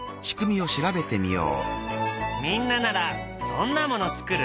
みんなならどんなもの作る？